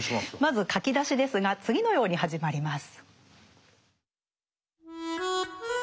まず書き出しですが次のように始まります。